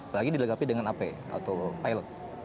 bahkan dilagapi dengan ap atau pilot